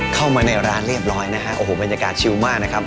เข้ามาในร้านเรียบร้อยนะฮะโอ้โหบรรยากาศชิลมากนะครับ